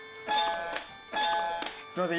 すいません